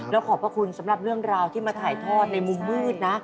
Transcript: แล้วขอบพระคุณสำหรับเรื่องราวที่มาถ่ายทอดในมุมมืดนะ